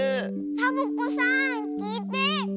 サボ子さんきいて。